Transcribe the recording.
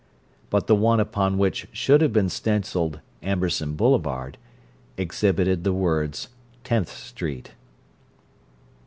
But the one upon which should have been stenciled "Amberson Boulevard" exhibited the words "Tenth Street."